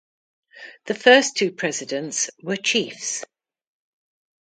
The first two presidents were chiefs.